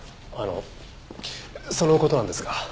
あのその事なんですが。